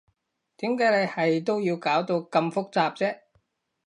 點解你係都要搞到咁複雜啫？